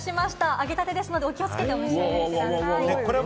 揚げたてですので、気をつけて召し上がりください。